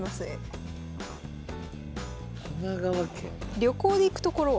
旅行で行く所は？